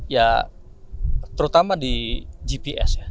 ya terutama di gps ya